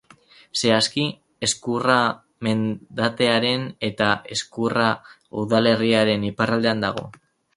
Zehazki, Ezkurra mendatearen eta Ezkurra udalerriaren iparraldean dago.